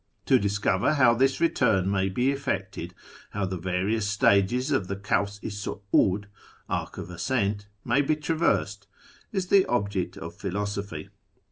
To discover how this return may be effected, how the various stages of the Kaivs i Su'iul (" Arc of Ascent ") may be traversed, is the object of [philosophy.